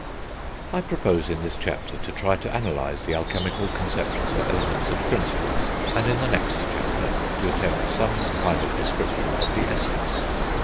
I propose in this chapter to try to analyse the alchemical conceptions of Elements and Principles, and in the next chapter to attempt some kind of description of the Essence.